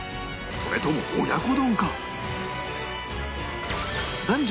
それとも親子丼か？